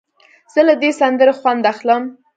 زه له دې سندرې خوند اخلم.